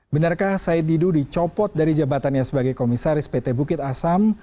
benarkah said didu dicopot dari jabatannya sebagai komisaris pt bukit asam